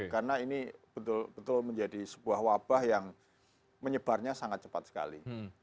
karena ini betul betul menjadi sebuah wabah yang menyebarnya sangat cepat sekali